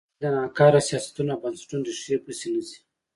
هغوی د ناکاره سیاستونو او بنسټونو ریښو پسې نه ځي.